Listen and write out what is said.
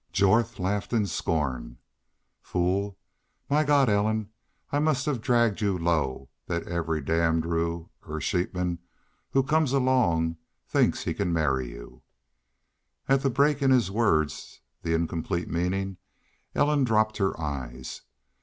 Jorth laughed in scorn. "Fool! My God! Ellen, I must have dragged you low that every damned ru er sheepman who comes along thinks he can marry you." At the break in his words, the incompleted meaning, Ellen dropped her eyes.